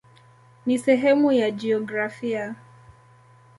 Ni sehemu ya jiografia.